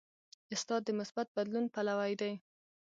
استاد د مثبت بدلون پلوی دی.